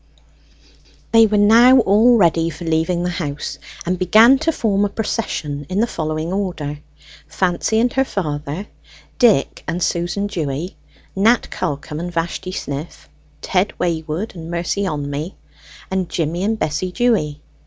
They were now all ready for leaving the house, and began to form a procession in the following order: Fancy and her father, Dick and Susan Dewy, Nat Callcome and Vashti Sniff, Ted Waywood and Mercy Onmey, and Jimmy and Bessie Dewy.